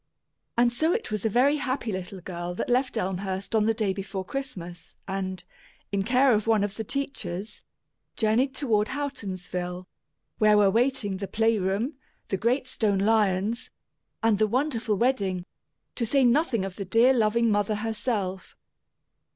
And so it was a very happy little girl that left Elmhurst on the day before Christmas and, in care of one of the teachers, journeyed toward Houghtonsville, where were waiting the play room, the great stone lions, and the wonderful wedding, to say nothing of the dear loving mother herself.